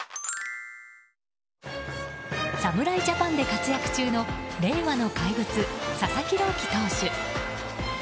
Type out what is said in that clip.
侍ジャパンで活躍中の令和の怪物・佐々木朗希投手。